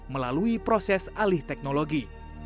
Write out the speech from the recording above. melalui proses alih teknologi